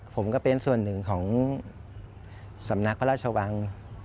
ผมก็เป็นส่วนหนึ่งของสำนักพระราชวัง